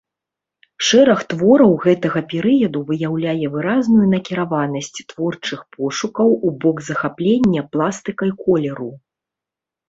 Шэраг твораў гэтага перыяду выяўляе выразную накіраванасць творчых пошукаў у бок захаплення пластыкай колеру.